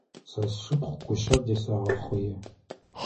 Сэ сшыпхъу кушъэр дэсэгъэхъые.